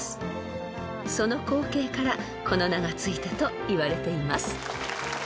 ［その光景からこの名が付いたといわれています］